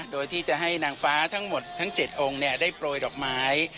โดยที่จะให้นางฟ้าทั้งหมดทั้ง๗องค์ได้โปรยดอกไม้